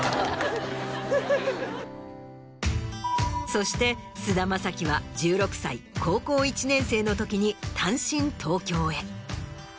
そして菅田将暉は１６歳高校１年生のときに単身東京へ。